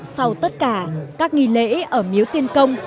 sau tất cả các nghi lễ ở miếu tiên công